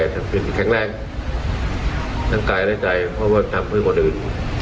ทั้งคืนที่แข็งแรงทั้งกายและใจเพราะว่าทำเพื่อคนอื่น